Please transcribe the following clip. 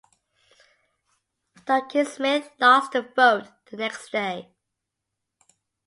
Duncan Smith lost the vote the next day.